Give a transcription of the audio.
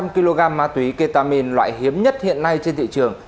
năm trăm linh kg ma túy ketamine loại hiếm nhất hiện nay trên thị trường